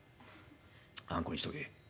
「あんこにしとけ」。